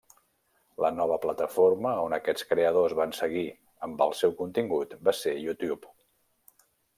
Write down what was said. La nova plataforma on aquests creadors van seguir amb el seu contingut va ser YouTube.